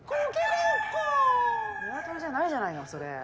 ニワトリじゃないじゃないのそれ！